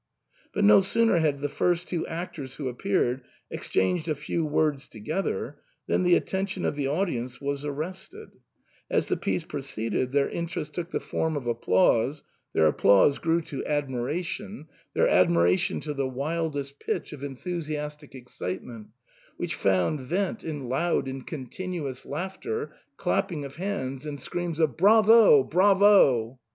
But no sooner had the first two actors who appeared exchanged a few words together than the attention of the audience was arrested ; as the piece proceeded their interest took the form of applause, their applause grew to admiration, SIGNOR FORMICA. 119 their admiration to the wildest pitch of enthusiastic excitement, which found vent in loud and continuous laughter, clapping of hands, and screams of " Bravo ! Bravo